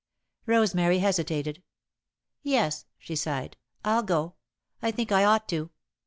Rosemary hesitated. "Yes," she sighed, "I'll go. I think I ought to."